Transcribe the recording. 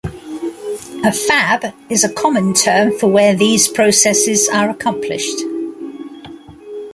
A fab is a common term for where these processes are accomplished.